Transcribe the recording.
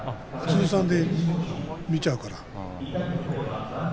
通算で見ちゃうから。